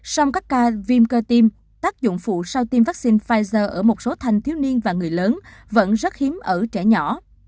song các ca viêm cơ tim tác dụng phụ sau tiêm vaccine pfizer ở một số thanh thiếu niên và người lớn vẫn rất hiếm ở trẻ nhỏ